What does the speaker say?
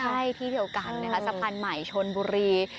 ใช่ที่เดียวกันนะคะสะพานใหม่ชนบุรี